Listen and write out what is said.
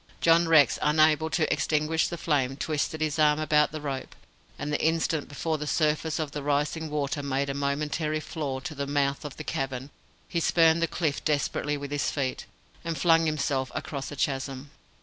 John Rex, unable to extinguish the flame, twisted his arm about the rope, and the instant before the surface of the rising water made a momentary floor to the mouth of the cavern, he spurned the cliff desperately with his feet, and flung himself across the chasm.